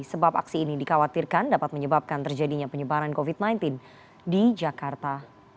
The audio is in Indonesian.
sebab aksi ini dikhawatirkan dapat menyebabkan terjadinya penyebaran covid sembilan belas di jakarta